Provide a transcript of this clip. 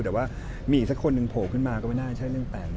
แต่ว่ามีอีกสักคนหนึ่งโผล่ขึ้นมาก็ไม่น่าใช่เรื่องแปลกนะ